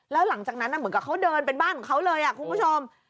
แล้วหลังจากนั้นเหมือนกับเขาเดินเป็นบ้านของเขาเลยคุณผู้ชม